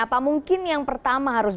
apa mungkin yang pertama harus